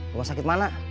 rumah sakit mana